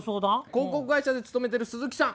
広告会社に勤めてる鈴木さん。